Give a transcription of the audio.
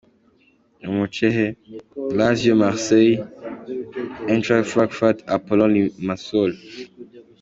Umuce H: Lazio , Marseille , Eintracht Frankfurt , Apollon Limassol .